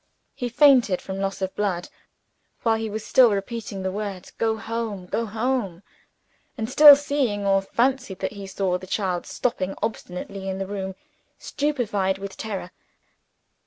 He fainted from loss of blood, while he was still repeating the words, "Go home! go home!" and still seeing, or fancying that he saw, the child stopping obstinately in the room, stupefied with terror.